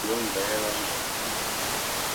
Salamu za marafiki wake zilimfikia